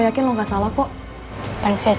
jadi bestkom spesifikasi prosesnya kayak